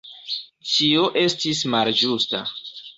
Ĉio estis malĝusta.